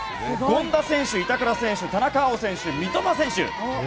権田選手、板倉選手田中碧選手、三笘選手。